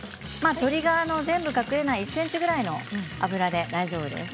鶏が全部隠れない１ｃｍくらいの油で大丈夫です。